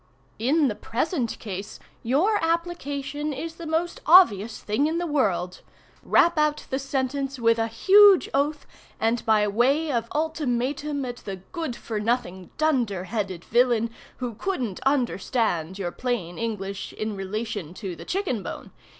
In the present case your application is the most obvious thing in the world. Rap out the sentence, with a huge oath, and by way of ultimatum at the good for nothing dunder headed villain who couldn't understand your plain English in relation to the chicken bone.